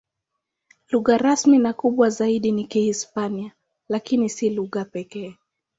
Lugha rasmi na kubwa zaidi ni Kihispania, lakini si lugha pekee.